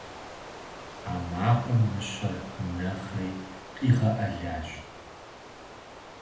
А макъым мыщэр нэхъри къигъэӀэлащ.